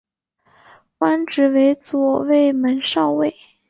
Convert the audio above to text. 官职为左卫门少尉。